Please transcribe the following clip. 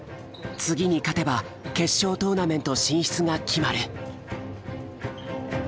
次に勝てば決勝トーナメント進出が決まる。